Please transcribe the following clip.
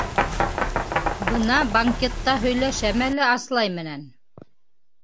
Бына банкетта һөйләшәм әле Аслай менән.